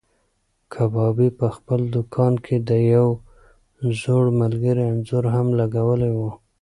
کبابي په خپل دوکان کې د یو زوړ ملګري انځور هم لګولی و.